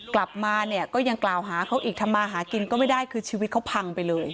กลับมาเนี่ยก็ยังกล่าวหาเขาอีกทำมาหากินก็ไม่ได้คือชีวิตเขาพังไปเลย